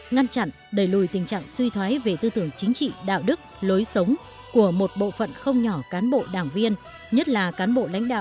một ngăn chặn đẩy lùi tình trạng suy thoái về tư tưởng chính trị đảng